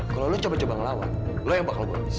kalau lu coba coba ngelawan lo yang bakal buat apa sih